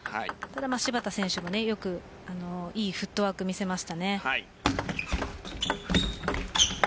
芝田選手もよくいいフットワーク見せましたね。